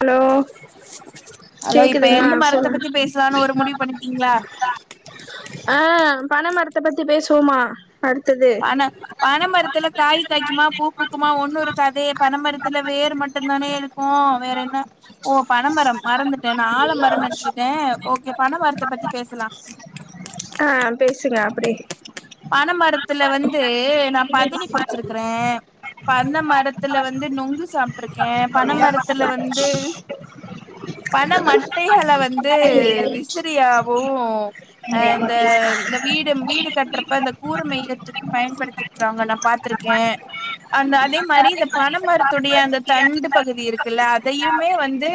Allow hello இப்ப எந்த மரத்த பத்தி பேஸ்லானு ஒரு முடிவு பண்ணீட்டீங்ளா ஆ பன மரத்த பத்தி பேஸ்வோமா அடுத்தது பன பன மரத்துல காய் காய்க்குமா பூ பூக்குமா ஒன்னு இரு க்காதே பனமரத்துல வேர் மட்டுந்தான இருக்கு வேறென்ன ஓ பனமரம் மறந்துட்டே நா ஆலமரோ நென்ச்சிட்டே ஓகே பனமரத்த பத்தி பேசலா ஆ பேசுங்க அப்டே பன மரத்துல வந்து நா பதனி குடிச்சிருக்றே பன மரத்துல வந்து நுங்கு சாப்ட்ருக்கே பன மரத் துல வந்து பன மட்டைஹள வந்து வி சிறியாவு ஆ இந்த ம் இந்த வீடு வீடு கட்றப்ப இந்த கூர மெய்யற துக்கு பயன்படுத்திருக்றாங்க நா பாத்திருக்கே அந்த அதே மாரி இந்த பனமரத்துடைய அந்த தண்டு பகுதி இருக் குல்ல அதையுமே வந்து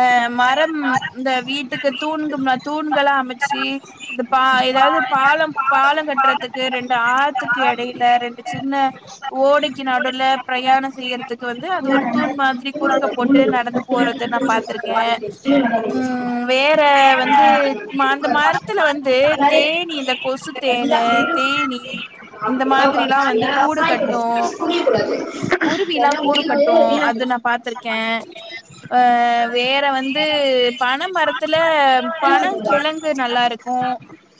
ஆ மரம் இந்த வீட்டுக்கு தூண்கு மா தூண்களா அமச்சி இந்த பா எதாவ்து பாலம் பாலோ கட்றதுக்கு ரெண் டு ஆத்துக்கு எடையில ரெண்டு சின்ன ஓடைக்கு நடுவ்ல ப்ரயாணோ செய்யறத்துக்கு வந்து அது ஒரு தூண் மாதிரி குறுக்க போட்டு நடந்து போறத நா பாத்திருக்கே ம் வேற வந்து மா அந்த மரத்துல வந்து தேனீ இந்த கொசு தேனு தேனீ இந்த மாதிரில்லா வந்து கூடு கட்டு புரிகிறது குருவிலா கூடுக்கட்டு அது நா பாத்திருக்கே அ வேற வந்து பன மரத்துல பனங்கிழங்கு நல்லாருக் கு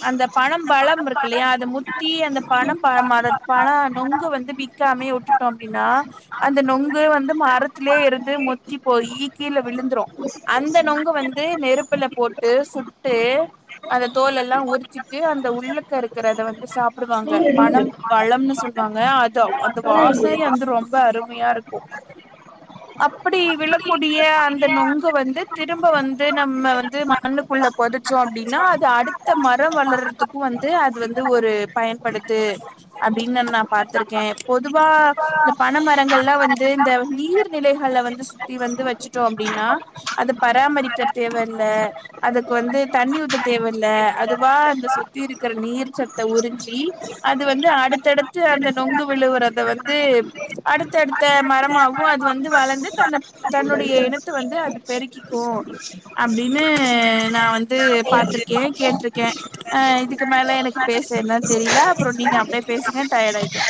அந்த பனம்பழம் இருக்கில்லயா அது முத்தி அந்த பனம்பழம் அத பழோ நொங்கு வந்து பி க்காமே உட்டுட்டோ அப்டினா அந்த நொங்கு வந்து மரத்துலே இருந்து முத்தி போயி கீழ விழுந்துரு அந்த நொங்க வந்து நெருப்புல போட்டு சுட்டு அந்த தோல் எல்லா உரிச்சிட்டு அந்த உள்ளுக்க இருக்கிறத வந்து சாப்டுவாங்க பனம் அப்டி பழம்னு சொல்வாங்க அது அவ் அந்த வாசனையே வந்து ரொம்ப அருமையா இருக்கு அப்பிடி விழக்கூடிய அந்த நொங்க வந்து திரும்ப வந்து நம்ம வந்து மண்ணுக்குள்ள பொதச்சோ அப்டின்னா அது அடுத்த மரம் வளர்றத்துக்கு வந்து அது வந்து ஒரு பயன்படுது அப்டினு நா பாத்திருக்கே பொதுவா இந்த பன மரங்கள்லா வந்து இந்த நீர்நிலைஹள வந்து சுத்தி வந்து வச்சிட்டோ அப்டினா அது பராமரிக்க தேவ இல்ல அதுக் வந்து தண்ணி ஊத்த தேவல்ல அதுவா அந்த சுத்தி இருக்கற நீர் சத்த உறிஞ்சி அது வந்து அடுத்தடுத்து அந்த நொங்கு விழுவறத வந் து அடுத்தடுத்த மரமாவு அது வந்து வளந்து தன்ன தன்னுடைய இனத்த வந்து அது பெருக்கிக்கு அப்டின்னு நா வந்து பாத்திருக்கே கேட்ருக்கே அ இதுக்கு மேல எனக் பேச என்ன தெரியில அப்புறோ நீங்க அப்டியே பேசுங்க டயாட் ஆயிட்டே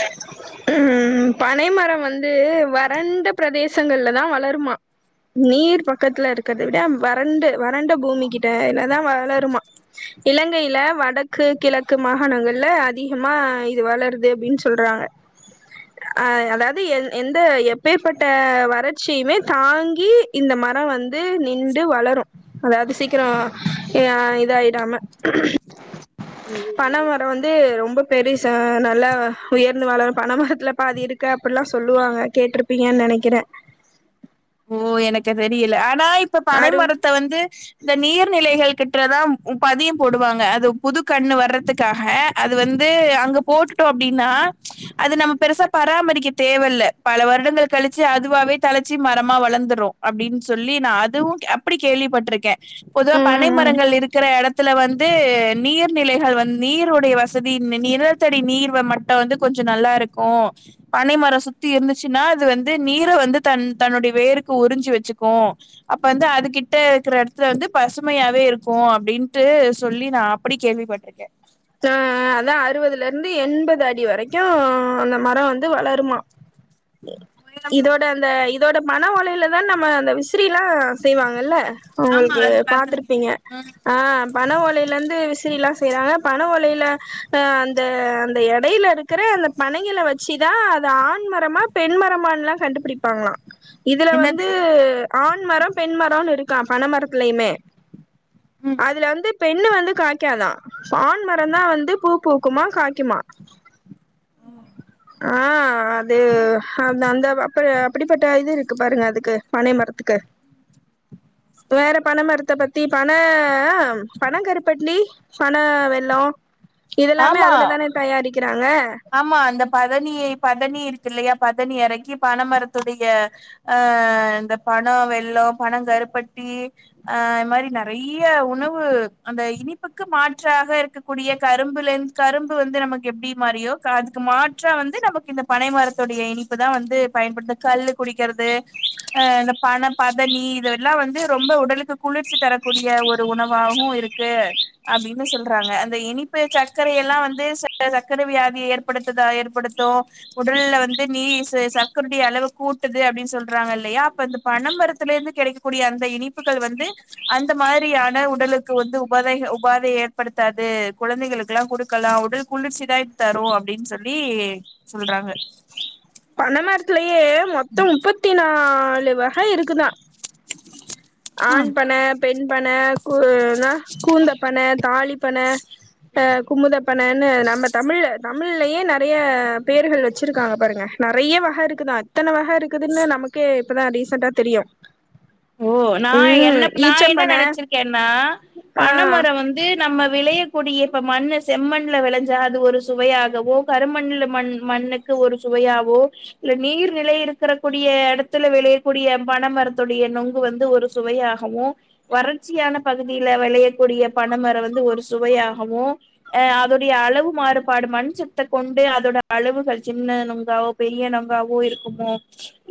ம் பனை மர வந்து வறண்ட பிரதேசங்கள்ல தா வளருமா நீர் பக்கத்துல இருக்கிறத விட வறண்டு வறண்ட பூமி கிட்ட இல்ல தா வளருமா இலங்கைல வடக்கு கிழக்கு மாகாணங்கள்ல அதிகமா இது வளருது அப்டின்னு சொல்றாங்க அ அதாவது எ எந்த எப்பேற்ப்பட்ட வறட்சியுமே தாங்கி இந்த மர வந்து நிண்டு வளரு அதாது சீக்கிரோ ஆ இதாயிடாம பனைமர வந்து ரொம்ப பெருசா நல்லா உயர்ந்து வளரு பனமரத்துல அப்ப அது இருக்கு அப்டில்லா சொல்லுவாங்க கேட்டிருப்பீங்கன்னு நெனைக்கிறே ஓ எனக்கு அது தெரியல ஆனா இப்ப பனை அறு மரத்த வந்து இந்த நீர்நிலைகள் கிட்டதா பதிய போடுவாங்க அது புது கண்ணு வர்றதுக்காக அது வந்து அங்க போட்டுட்டோ அப்டின்னா அது நம்ம பெருசா பராமரிக்க தேவயில்ல பல வருடங்கள் கழிச்சு அதுவாவே தலச்சி மரமா வளர்ந்துறு அப்டின்னு சொல்லி நா அதுவு அப்டி கேள்விப்பட்ருக்கே பொதுவா பனை ம் மரங்கள் இருக் குற எடத்துல வந்து நீர்நிலைகள் வந் நீருடைய வசதி நிலத்தடி நீர் வ மட் ட வந்து கொஞ்ச நல்லா இருக்கு பனைமர சுத்தி இருந்துச்சுன்னா அது வந்து நீர வந்து தன் தன்னுடைய வேருக்கு உறிஞ்சு வெச்சுக்கு அப்ப வந்து அதுகிட்ட இக்குற எடத்துல வந்து பசுமையாவே இருக்கு அப்டின்ட்டு சொல்லி நா அப்டி கேள்விப்பட்ருக்கே ஆ அதா அறுவதுல இருந்து எண்பது அடி வரைக்கு அந்த மர வந்து வளருமா இதோட அந்த இதோட பண ஒலையிலதா நம்ம அந்த விசிறிலா செய்வாங்கல்ல ஆமா உங்களுக்கு அது பாத்திருக்கே பாத்துருப்பீங்க ஆ பண ஓலையில இருந்து விசிறிலா செய்றாங்க பண ஓலைல ஆ அந்த அந்த எடைல இருக்குற அந்த பனைங்கள வெச்சுதா அது ஆண்மரமா பெண் மரமான்லா கண்டுபிடிப்பாங்களா இதுல வந்து என்னது ஆண் மர பெண் மரோனு இருக்கா பன மரத்துலையுமே அதுல வந்து பெண்ணு வந்து காய்காதா ஆண் மரோ தா வந்து பூ பூக்குமா காய்க்குமா ஆ அது அந்த அந்த அப்ப அப்டிப்பட்ட இது இருக் கு பாருங்க அதுக்கு பனை மரத்துக்கு வேற பண மரத்த பத்தி பண பண கருப்பட்லி பன வெள்ளொ இதெல்லாமே ஆமா அதுல தானே தயாரிக்கிறாங்க ஆமா அந்த பதனியை பதனி இருக்கு இல்லையா பதனி எறக்கி பனைமரத்துடைய அ இந்த பண வெள்ளொ பண கருப்பட்டி அ இ மாரி நெறைய உணவு அந்த இனிப்புக்கு மாற்றாக இருக்கு கூடிய கரும்புல இருந் கரும்பு வந்து நமக்கு எப்டி மாறியோ கு அதுக்கு மாற்றா வந்து நமக்கு இந்த பனைமரத்துடைய இனிப்பு தா வந்து பயன்படுது கல்லு குடிக்கிறது அ இந்த பண பதனி இதெல்லா வந்து ரொம்ப உடலுக்கு குளிர்ச்சி தரக்கூடிய ஒரு உணவாவு இருக் கு அப்டின்னு சொல்றாங்க அந்த இனிப்பு சர்க்கர எல்லா வந்து ச சர்க்கர வியா தி ஏற்படுத்தத்துதா ஏற்படுத்து உடல்ல வந்து நீ ச சக்கருடைய அளவு கூட்டுது அப்டின்னு சொல்றாங்க இல்லையா அப்ப இது பண மரத்துல இருந்து கெடைக்கக்கூடிய அந்த இனிப்புகள் வந்து அந்த மாரியான உடலுக்கு வந்து உபாதை உபாதைய ஏற்படுத்தாது குழந்தைகளுக்குல்லா கொடுக்கலா உடல் குளிர்ச்சிதா இது தரு அப்டின்னு சொல்லி சொல்றாங்க பனமரத்துலயே மொத்தம் முப்பத்தி நாலு வக இருக்குதான் ஆண் பன பெண் பன கூன கூந்த பன தாலி பன ஆ குமுதப்பனன்னு நம்ம தமிழ்ல தமிழ்லயே ந றைய பேர்கள் வச்சிருக்காங்க பாருங்க நறைய வக இருக்குதான் இத்தன வக இருக்குதுனு நமக்கே இப்பதான் ரீசன்ட்டா தெரியும் ஓ நா என்ன நான் என்ன ஈச்சம்பன நனைச்சிருக்கேன்னா ஆ பனமரம் வந் து நம்ம வெளையக்கூடிய இப்ப மண்ணு செம்மண்ல வெளஞ்சா அது ஒரு சுவையாகவோ கருமண்ல மண் மண்ணுக் கு ஒரு சுவையாகவோ இல்ல நீர் நிலை இருக்கக்க கூடிய எடத்துல வெளயக்கூடிய பணமரத்தொடு டைய நொங்கு வந்து ஒரு சுவையாகவும் வறட்சியான பகுதியில வெளையக்கூடிய பனமரம் வந்து ஒரு சுவையாகவும் அஹ அதோடைய அளவு மாறுபாடு மண் சத்த கொண்டு அதோட அளவுகள் ஜின்ன நொங்கா பெரிய நுங்காவோ இருக்குமோ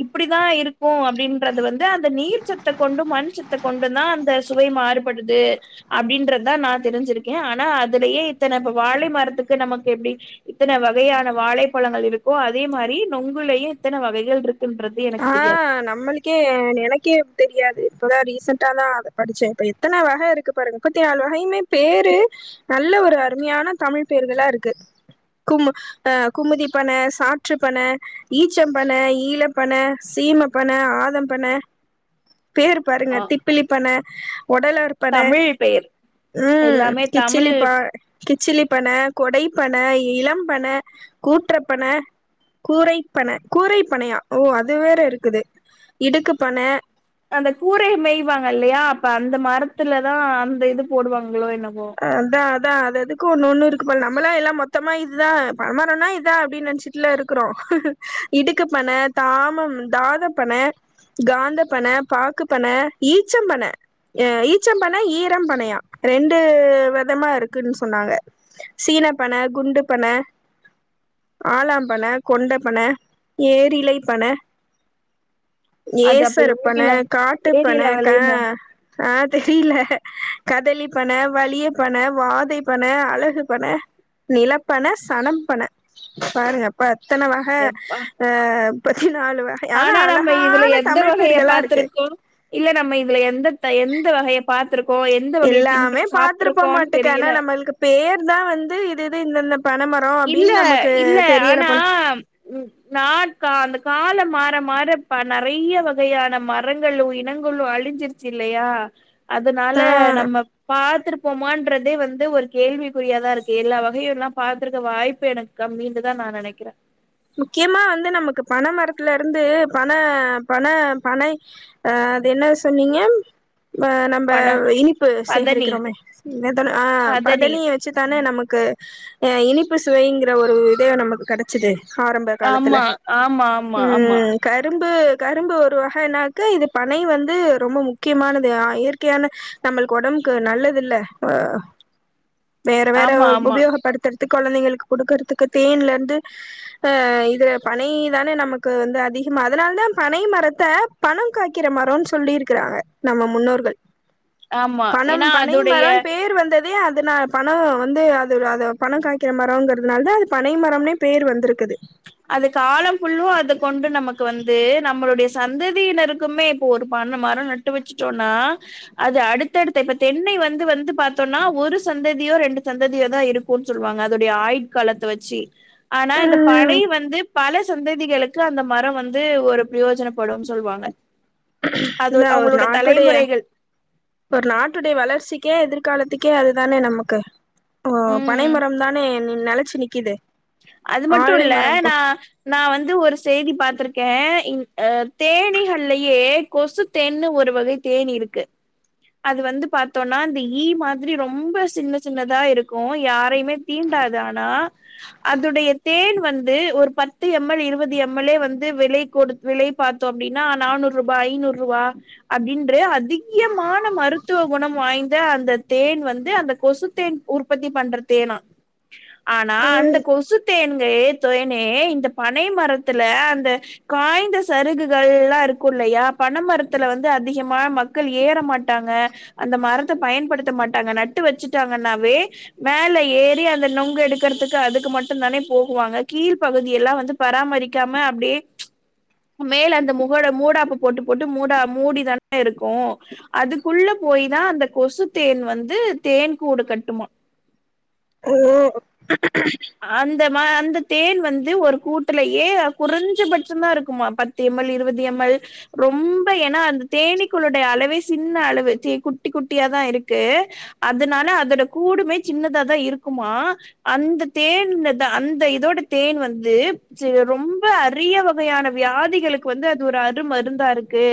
இப்படிதான் இருக்கும் அப்படின்றது வந் து அந்த நீர் சத்து கொண்டு மண் சத்த கொண்டும் தான் அந்த சுவை மாறுபடுது அப்படின்றதுதான் நான் தெரிஞ்சிருக்கேன் ஆனா அதுலயே இத்தன இப்ப வாழை மரத்துக்கு நமக்கு எப்டி இத்தன வகையான வாழைப்பழங்கள் இருக்கோ அதே மாரி நொங்குலயும் இத்தன வகைகள் இருக்குன்ற ஆ நம்மளு கே நெனக்கே தெரியாது இப்போதா ரீசன்டா தா அத படிச்சேன் இப்ப எத்தன வக இருக்கு பாருங்க முப்பத்தி நாலு வகையுமே பேரு நல்ல ஒரு அருமையான தமிழ் பேர்களா இருக்கு குமு அ குமுதி பன சாற்று பனை ஈச்சம் பன ஈழ பன சீமை பன ஆதம் பன பேரு பாருங்க ஆ தி ப்பிலிப் பன உடல பன தமிழ் பெயர் ம் எல்லாமே தமிழ் கிச்சிலிப் பா கிச்சிலி பன கொடைப்பன இளம் பன கூற்றப்பன கூரைப்பன கூரைப்பனையா ஓ அது வேற இருக்குது இடுக்கு பன அந்த கூரையை மெய்வாங்க இல்லையா அப்ப அந்த மரத்துலதான் அந்த இது போடுவாங்களோ என்னவோ அதான் அதான் அது அதுக்கு ஒன்னு ஒண்ணு இருக்கு ப நம்மளாம் எல்லாம் மொத்தமா இதுதான் பனமரம்னா இதா அப்டி நெனைச்சி ட்ல இருக்குறோம் இடுக்கு பன தாமம் தாத பன காந்த பன பாக்கு பன ஈச்சம் பன அ ஈச்சம் பன ஈரம் பனையா ரெண் டு வெதமா இருக்குனு சொன்னாங்க சீன பன குண்டு பன ஆளாம் பன கொண்ட பன ஏரிலை பன அது அப்ப ஏசறு பன ஏரில காட்டு பன ஏரில க வெளையுமோ ஆ தெரியில கதலிப் பன வலிய பன வாதை பன அழகு பன நிலப் பன சலம் பன பாருங்க பா இத்தனை வக எப்பா ஆ பதினாலு வ ஆனா நம்ம இதுல எந்த வகைய இருக்கு பாத்துருக்கோம் இல்ல நம்ம இதுல எந்ததயத எந்த வகைய பாத்துருக்கோம் எ எல்லாமே பாத்துருப்ப மாட்டுக்க ஆனா நம்மளுக்கு பேர் தான் வந்து இது இது இந்த இந்த பன மர இல்ல இல்ல ஆனா ம் நாட்கா அந்த காலம் மாற மாற ப நெறைய வகையான மரங்களும் இனங்களும் அழிஞ்சிருச் ஜில்லையா அதனால ஆ நம்ம பாத்துருப்போமான்றதே வந்து ஒரு கேள்விக் குறியா தான் இருக்கு எல்லா வகையும்லாம் பா த்துருக்க வாய்ப்பு எனக்கு கம்மின்னு தான் நா நெனைக்கறேன். முக்கியமா வந்து நமக்கு பன மரத்துல இருந்து பன பன பனை அ அது என்ன சொன்னீங்க அ நம்ப பன இனிப்பு பதனி சேகரிக்கிறோமே என்ன தோ ஆ பதனி வச் ச்சு தானே நமக்கு அ இனிப்பு சுவைங்கிற ஒரு இதே நமக்கு கிடைச்சிது ஆரம்ப காலத்துல ஆமா ஆமா ஆமா ஆமா ம் கரும்பு-கரும்பு ஒரு வகைனாக்க இது பனை வந்து ரொம்ப முக்கியமானது அ இயற்கையான நம்பளுக்கு உடம்புக்கு நல்லதுல்ல ஆ வேற வேற ஆமா ஆமா உபயோகப்படுத்துறதுக்கு குழந்தைங்களுக்கு குடுக்கறதுக்கு தேன்ல இருந்து அ இதில பனை தானே நமக்கு வந்து அதிகமாக அதுனால தா பனை மரத்த பணம் காய்க்கிற மரோனு சொல்லிருக்கிறாங்க நம்ம முன்னோர்கள் ஆமா பணம் ஏன்னா பனை அதுடைய மரம் பேர் வந்த தே அதுன பணம் வந்து அது அது பணம் காய்க்கிற மரம்ங்கிறதுனால தா அது பனைமரம்னே பேர் வந்திருக்குது அது காலம் ஃபுல்லு அது கொண்டு நமக்கு வந்து நம்மளுடைய சந்ததியினருக்குமே இப்ப ஒரு பண்ண மரம் நட்டு வச்சுட்டோம்னா அது அடுத்தடுத்த இப்ப தென்னை வந்து வந்து பாத்தோம்னா ஒரு சந்ததியோ ரெண்டு சந்ததியோ தா இருக் கு சொல்லுவாங்க அதோடைய ஆயுட் காலத்தை வச்சு ஆனா இந்த பனை ம் வந்து பல சந்ததிகளுக்கு அந்த மரம் வந்து ஒரு பிரயோஜனப்படும்னு சொல்லுவாங்க அது இதா ஒரு அவுங்களோட நாட்டுடைய தலைமுறைகள் ஒரு நாட்டுடைய வளர்ச்சிக்கே எதிர்காலத்துக்கே அதுதானே நமக்கு ஓ பனை ம் மரம் தானே நி நெலச்சு நிக்குது அது மட்டு ஆழை இல்ல மரம் போ நா நா வந்து ஒரு செய்தி பாத்திருக்கே அ தேனிகள்லயே கொசு தேன்னு ஒரு வகை தேனீ இருக்கு அது வந்து பாத்தோனா இந்த ஈ மாதிரி ரொம்ப சின்ன சின்னதா இருக்கு யாரையுமே தீண்டாது ஆனா அதுடைய தேன் வந்து ஒரு பத்து எம்எல் இருவது எம்எல்லே வந்து விலை கொடுத்து விலை பாத்தோ அப்டின்னா நானூறு ரூபா ஐநூறு ரூபா அப்டின்று அதிகமான மருத்துவ குணம் வாய்ந்த அந்த தேன் வந்து அந்த கொசு தேன் உற்பத்தி பண்ற தேனா ஆனா அந்த கொசுத்தேன்கே தொய்னே இந்த பனை மரத்துல அந்த காய்ந்த சருகுகள்ல்லா இருக்கு இல்லையா பனை மரத்துல வந்து அதிகமா மக் கள் ஏற மாட்டாங்க அந்த மரத்தை பயன்படுத்த மாட்டாங்க நட்டு வச்சுட்டாங்கன்னாவே மேல ஏறி அந்த நுங்கு எடுக்கறதுக்கு அது க்கு மட்டுதானே போகுவாங்க கீழ் பகுதியல்லா வந்து பராமரிக்காம அப்டியே மேல அந்த முகோட மூடாப்பு போட்டு போட்டு மூடா மூடிதானே இருக்கு அதுக்குள்ள போய் தா அந்த கொசு தேன் வந்து தேன் கூடு கட்டுமா ஓ அந்த மா அந்த தேன் வந்து ஒரு கூட்டுலயே குறைஞ்சபட்சம்தா இருக்குமா பத் து எம்மல் இருவது எம்எல் ரொம்ப எனா அந்த தேனீக்களுடைய அளவே சின்ன அளவு தே குட்டி குட்டியாதா இருக்கு அதுனால அதோட கூடுமே சின்னதாதா இருக்குமா அந்த தேன் த அந்த இதோட தேன் வந்து ரொம்ப அரிய வகையான வியாதிகளுக் வந்து அது ஒரு அரு மருந்தா இருக்கு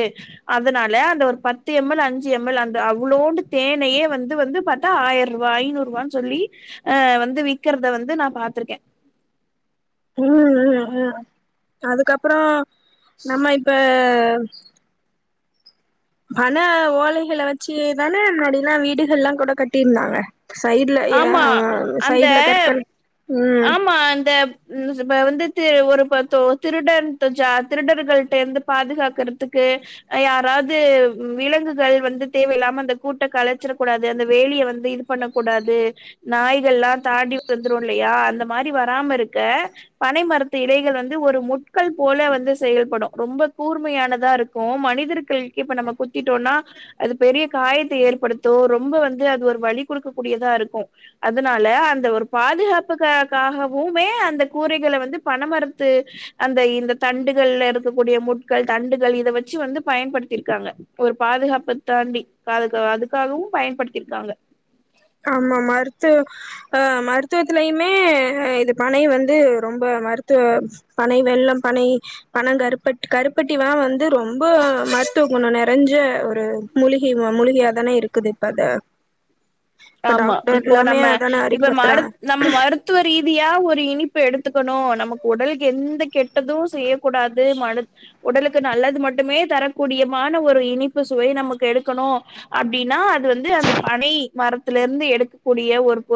அதுனால அந்த ஒரு பத்து எம் எல் அஞ்சு எம்எல் அந்த அவ்ளோண்டு தேனையே வந்து வந்து பத் டா ஆயிரம் ரூபாய் ஐநூறு ரூபனு சொல்லி அ வந்து விக்கிறத வந்து நா பாத்துருக்க ம் ம் ம் அ பண ஓலைகள வச்சிதான முன்னாடிலா வீடுகள் எல்லா கூட கட்டியிருந்தாங்க சைடுல ய ஆமா ஆ அந்த சைடு்ல கற்கள் ம் ஆமா அந்தப் இந்துசுப வந்துட்டு ஒரு பத்தோ திருடன்டுஜா திருடர்கள்ட இருந்து பாதுகாக்கறதுக்கு யாராது விலங்குகள் வந்து தேவையில்லாம அந்த கூட்ட கழைச்சிடக் கூடாது அந்த வேலியை வந்து இது பண்ண கூடாது நாய்கள்ல்லா தாண்டி வந்துரு இல்லையா அந்த மாரி வராம இருக்க பனை மரத்து இலைகள் வந்து ஒரு முட்கள் போல வந்து செயல்படும் ரொம்ப கூர்மையானதா இருக் க்கு மனிதர்கள் இப்ப நம்ம குத்திட்டோனா அது பெரிய காயத்த ஏற்படுத்து ரொம்ப வந்து அது ஒரு வலி குடுக்க கூடியதா இருக்கு அதனால அந்த ஒரு பாதுகாப் ப்புக்காகவுமே அந்த கூரைகள வந்து பணமறத்து அந்த இந்த தண்டுகள்ல இருக்கக்கூடிய முட்கள் தண்டுகள் இத வச்சி வந்து பயன்படுத்தியிருக்காங்க ஒரு பாதுகாப்பு தாண்டி காதக்க அதுக்காகவு பயன்படுத்திருக்காங்க ஆமா மருத்து அ மருத்துவத்திலயுமே அ இது பனை வந்து ரொம்ப மருத்துவ பனை வெள்ளம் பனை பணங் கருப்பட் கருப்பட்டிலா வந்து ரொம்ப மருத்துவகுண நறைஞ்ச ஒரு மூலிகை மா மூலிகையாாதான இருக்குது இப்ப அத ஆமா இப்போ நம்ம அதானே இப்ப அறிமுகப்படுத்துறாங்க மருத் நம்ம மருத் துவ ரீதியா ஒரு இனிப்பு எடுத்துக்கனோ நமக்கு உடலுக்கு எந்த கெட்டது செய்யக்க கூடாது மருத் உடலுக்கு நல்லது மட்டுமே தரக்கூடியமான ஒரு இனிப்பு சுவை நமக்கு எடுக்கனோ அப்டின்னா அது வந்து அந்த பனை மரத்தில இருந்து எடுக்கூடிய ஒரு பொருள்